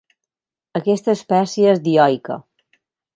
Aquesta espècie és dioica.